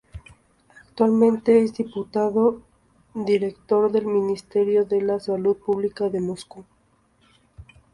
Actualmente, es diputado-director del Ministerio de la Salud Pública de Moscú.